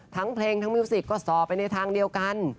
ทั้งเพลงทั้งมิวสิกก็สอไปในทางเดียวกัน